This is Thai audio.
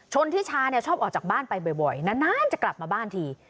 ทิชาเนี่ยชอบออกจากบ้านไปบ่อยนานจะกลับมาบ้านที